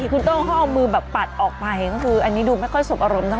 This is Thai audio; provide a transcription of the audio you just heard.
คุณโต้งเขาเอามือแบบปัดออกไปก็คืออันนี้ดูไม่ค่อยสบอารมณ์เท่า